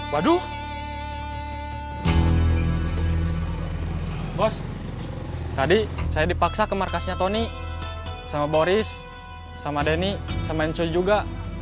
waduh bos tadi saya dipaksa ke markasnya tony sama boris sama denny sama menco juga